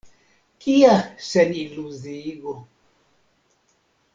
Kia seniluziigo.